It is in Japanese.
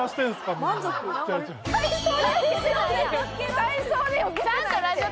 体操でよけないと。